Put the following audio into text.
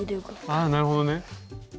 あなるほどね。